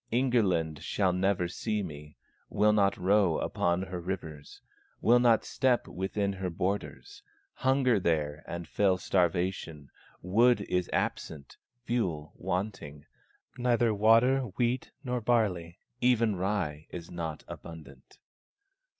Ingerland shall never see me, Will not row upon her rivers, Will not step within her borders; Hunger there, and fell starvation, Wood is absent, fuel wanting, Neither water, wheat, nor barley, Even rye is not abundant."